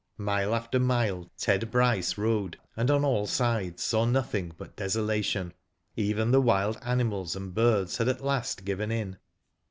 Mile after mile Ted Bryce rode, and on all ^ides saw nothing but desolation. Even the wild animals and birds had at last given in.